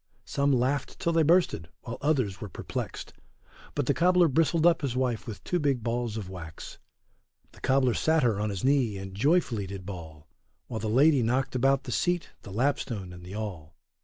Some laughed till they bursted, while others were perplexed, But the cobler bristled up his wife with two big balls of wax; The cobler sat her on his knee, and joyfully did bawl, While the lady knocked about the seat the lapstone and the awl.